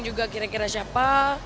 juga kira kira siapa